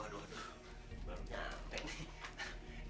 baru nyampe nih